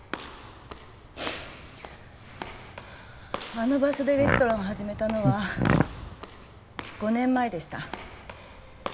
あの場所でレストランを始めたのは５年前でした。